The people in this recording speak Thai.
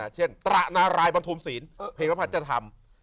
เช่นตระนารายบรรทุมศีลเพลงหน้าพาดจะทำ